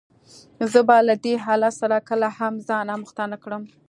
زه به له دې حالت سره کله هم ځان آموخته نه کړم.